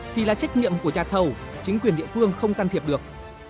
thì là trách nhiệm của nhà thầu chính quyền địa phương không can thiệp được